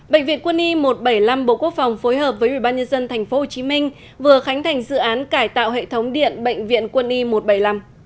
bệnh viện quân y một trăm bảy mươi năm bộ quốc phòng phối hợp với ubnd tp hcm vừa khánh thành dự án cải tạo hệ thống điện bệnh viện quân y một trăm bảy mươi năm